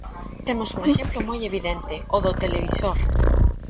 Temos un exemplo moi evidente, o do televisor.